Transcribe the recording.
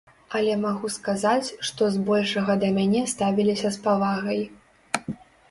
Але магу сказаць, што збольшага да мяне ставіліся з павагай.